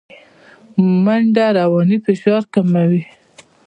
منډه د رواني فشار کموي